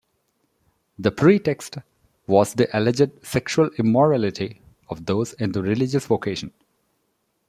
The pretext was the alleged sexual immorality of those in the religious vocation.